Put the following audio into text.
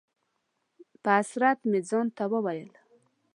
په حسرت مې ځان ته وویل: